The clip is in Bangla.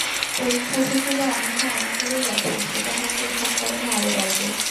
পরীক্ষাভীতি বা অনীহা অনেকেরই আছে, সেটা হয়তো এসব কারণে আরও বাড়বে।